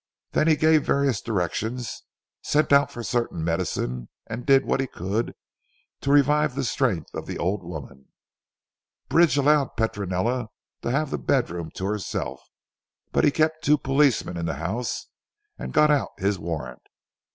Then he gave various directions, sent out for certain medicine, and did what he could to revive the strength of the old woman. Bridge allowed Petronella to have the bedroom to herself, but he kept the two policemen in the house and got out his warrant.